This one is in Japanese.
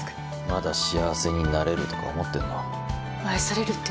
まだ幸せになれるとか思ってるの。